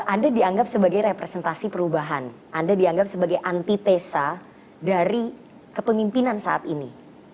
anda dianggap sebagai representasi perubahan anda dianggap sebagai antitesa dari kepemimpinan saat ini